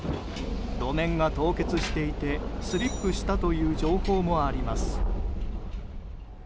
路面が凍結していてスリップしたという情報もあります。